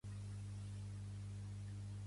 Algunes fonts li consideren com una lletra separada.